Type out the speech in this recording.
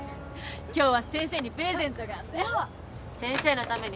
今日は先生にプレゼントがあんだ。